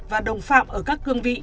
và đồng phạm ở các cương vị